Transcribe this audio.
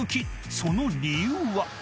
［その理由は］